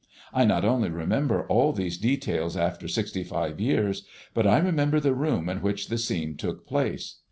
I not only remember all these details after sixty five years, but I remember the room in which the scene took place.